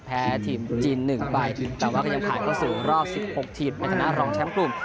แพ้ทีมจีนหนึ่งไปแต่ว่าก็ยังผ่านเข้าสู่รอบสิบหกทีมในธนาฬรองแชมป์กลุ่ม